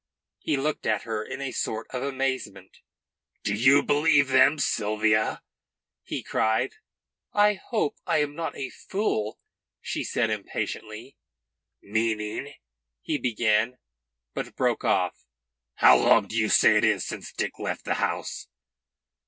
He looked at her in a sort of amazement. "Do you believe them, Sylvia?" he cried. "I hope I am not a fool," said she impatiently. "Meaning " he began, but broke off. "How long do you say it is since Dick left the house?"